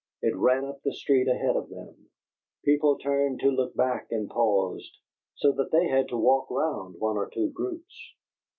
It ran up the street ahead of them; people turned to look back and paused, so that they had to walk round one or two groups.